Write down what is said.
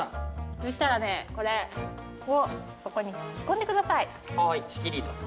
そしたらこれをここに差し込んでください。